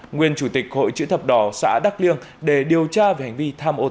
nguyên chủ tịch hội chữ thập đỏ xã đắk liêng để điều tra về hành vi